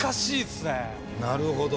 なるほど。